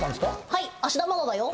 「はい芦田愛菜だよ」